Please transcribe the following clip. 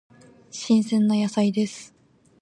新鮮な野菜です。